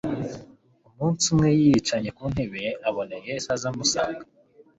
Umunsi umwe yiyicanye ku ntebe ye, abona Yesu aza amusanga,